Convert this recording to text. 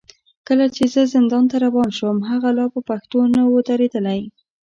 کله چې زه زندان ته روان شوم، هغه لا په پښو نه و درېدلی.